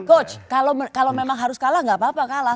coach kalau memang harus kalah nggak apa apa kalah